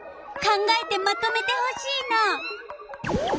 考えてまとめてほしいの。